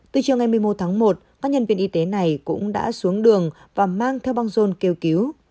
từ chiều ngày một mươi một tháng một các nhân viên y tế này cũng đã xuống đường và mang theo băng rôn kêu cứu